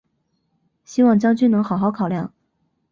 希望将军能好好考量！